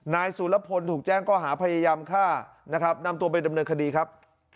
นายสุรพลถูกแจ้งก็หาพยายามฆ่านะครับนำตัวไปดำเนินคดีครับ